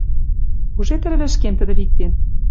Уже тӹрвӹшкем тӹдӹ виктен